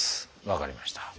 分かりました。